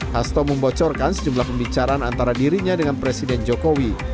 hasto membocorkan sejumlah pembicaraan antara dirinya dengan presiden jokowi